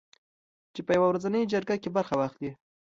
چې په یوه ورځنۍ جرګه کې برخه واخلي